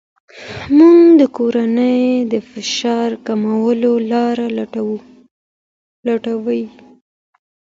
مور د کورنۍ د فشار کمولو لارې لټوي.